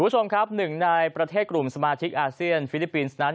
หนึ่งในประเทศกลุ่มสมาธิกอาเซียนฟิลิปปินส์นั้น